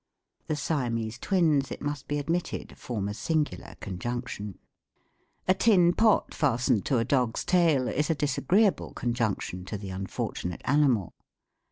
The Siamese twins, it must be admitted, form a singular conjunction. A tin pot fastened to a dog's tail is a disagreeable conjunction to the unfortunate animal.